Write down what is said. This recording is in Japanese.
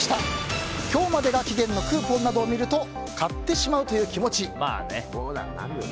今日までが期限のクーポンなどを見ると買ってしまうという気持ち。